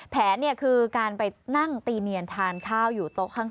แผนคือการไปนั่งตีเนียนทานข้าวอยู่โต๊ะข้าง